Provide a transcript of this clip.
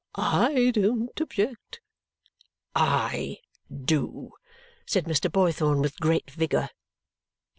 I don't object." "I do," said Mr. Boythorn with great vigour.